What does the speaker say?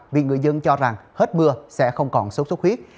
vì người dân cho rằng hết mưa sẽ không còn sốt sốt huyết